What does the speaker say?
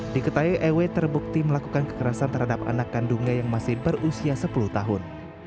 diketahui ew terbukti melakukan kekerasan terhadap anak kandungnya yang masih berusia sepuluh tahun